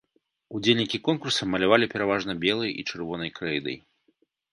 Удзельнікі конкурса малявалі пераважна белай і чырвонай крэйдай.